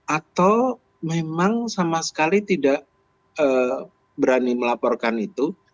atau memang sama sekali tidak berani melaporkan itu